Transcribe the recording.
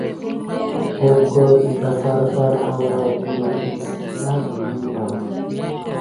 Boggor daka farfari arua kulukeb mis teɗa kumine ɓa.